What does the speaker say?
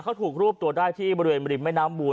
เขาถูกรูปตรวจได้ที่บริเวณบริมน้ำบูน